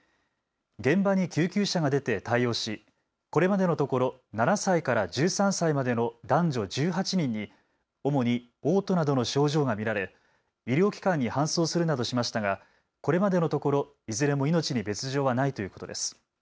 現場に救急車が出て対応しこれまでのところ７歳から１３歳までの男女１８人に主におう吐などの症状が見られ医療機関に搬送するなどしましたがこれまでのところ、いずれも命に別状はないということです。